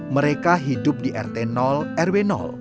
mereka hidup di rt rw